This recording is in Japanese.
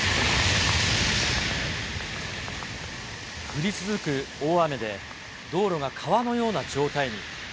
降り続く大雨で、道路が川のような状態に。